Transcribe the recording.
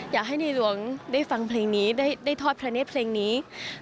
อยากให้ในหลวงได้ฟังเพลงนี้ได้ทอดพระเนธเพลงนี้